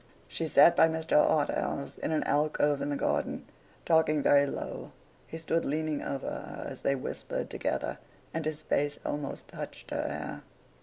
She sat by Mr. Harthouse, in an alcove in the garden, talking very low; he stood leaning over her, as they whispered together, and his face almost touched her hair.